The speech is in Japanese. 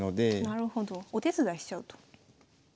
なるほどお手伝いしちゃうと。